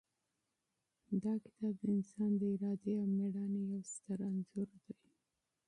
دا کتاب د انسان د ارادې او مېړانې یو ستر انځور دی.